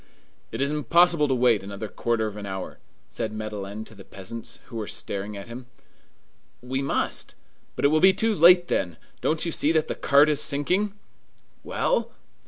"It is impossible to wait another quarter of an hour," said Madeleine to the peasants, who were staring at him. "We must!" "But it will be too late then! Don't you see that the cart is sinking?" "Well!"